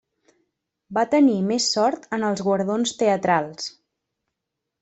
Va tenir més sort en els guardons teatrals.